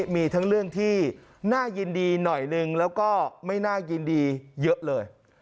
มีทั้งเรื่องที่น่ายินดีหน่อยหนึ่งแล้วก็ไม่น่ายินดีเยอะเลย